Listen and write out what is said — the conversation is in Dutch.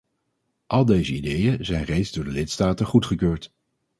Al deze ideeën zijn reeds door de lidstaten goedgekeurd.